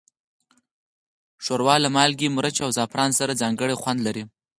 ښوروا له مالګې، مرچ، او زعفران سره ځانګړی خوند لري.